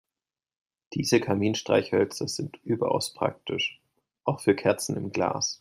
Diese Kaminstreichhölzer sind überaus praktisch, auch für Kerzen im Glas.